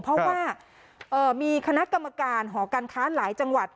เพราะว่ามีคณะกรรมการหอการค้าหลายจังหวัด